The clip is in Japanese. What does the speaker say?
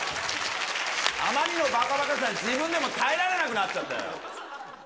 あまりのばかばかしさに、自分でも耐えられなくなっちゃったよ。